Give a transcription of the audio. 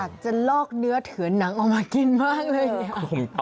อยากจะลอกเนื้อเถือนหนังออกมากินมากเลย